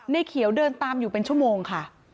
เขียวเดินตามอยู่เป็นชั่วโมงค่ะ